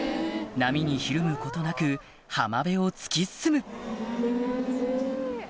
波にひるむことなく浜辺を突き進む気持ちいい！